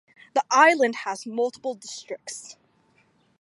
The island has multiple districts.